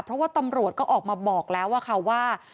เพราะว่าตำรวจก็ออกมาบอกแล้วค่ะว่า